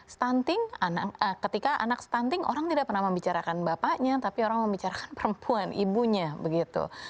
stunting ketika anak stunting orang tidak pernah membicarakan bapaknya tapi orang membicarakan perempuan ibunya begitu